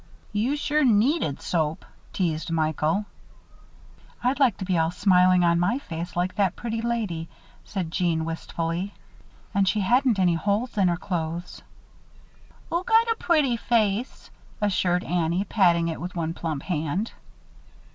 "You sure needed soap," teased Michael. "I'd like to be all smiling on my face like that pretty lady," said Jeanne, wistfully. "And she hadn't any holes in her clothes." "Oo got a pretty face," assured Annie, patting it with one plump hand.